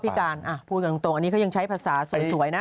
อันนี้เขายังใช้ภาษาสวยนะคุณพูดกันตรงอันนี้เขายังใช้ภาษาสวยนะ